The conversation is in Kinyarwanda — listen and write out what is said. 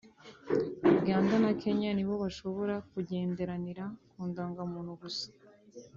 Uganda na Kenya nibo bashobora kugenderanira ku ndangamuntu gusa